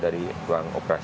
ini untuk apa